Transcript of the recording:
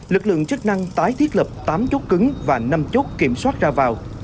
lực lượng chức năng tái thiết lập tám chốt cứng và năm chốt kiểm soát ra vào